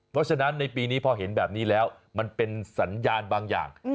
เพราะฉะนั้นในปีนี้พอเห็นแบบนี้แล้วมันเป็นสัญญาณบางอย่าง